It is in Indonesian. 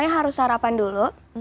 pokoknya harus sarapan dulu